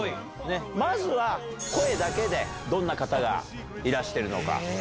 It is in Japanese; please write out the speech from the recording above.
まずは声だけでどんな方がいらしてるのか。